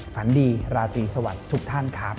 ฝันดีราตรีสวัสดีทุกท่านครับ